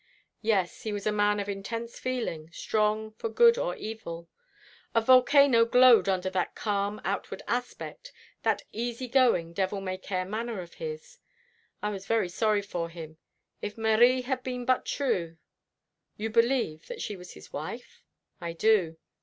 "Yes, he was a man of intense feeling, strong for good or evil. A volcano glowed under that calm outward aspect, that easy going, devil may care manner of his. I was very sorry for him. If Marie had been but true " "You believe that she was his wife?" "I do.